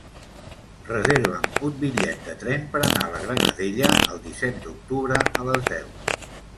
Reserva'm un bitllet de tren per anar a la Granadella el disset d'octubre a les deu.